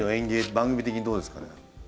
番組的にどうですかね？